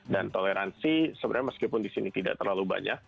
dan toleransi sebenarnya meskipun di sini tidak terlalu banyak